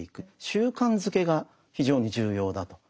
習慣づけが非常に重要だと。